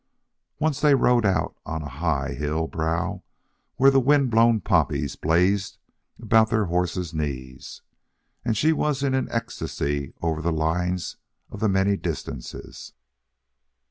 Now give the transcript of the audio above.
Once they rode out on a high hill brow where wind blown poppies blazed about their horses' knees, and she was in an ecstasy over the lines of the many distances.